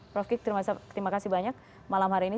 prof kiki terima kasih banyak malam hari ini